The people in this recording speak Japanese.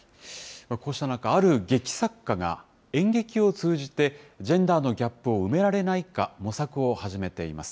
こうした中、ある劇作家が、演劇を通じてジェンダーのギャップを埋められないか、模索を始めています。